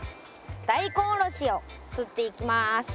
大根おろしをすっていきます。